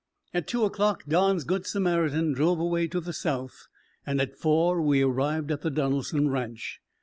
At two o'clock Don's Good Samaritan drove away to the south, and at four we arrived at the Donaldson Ranch.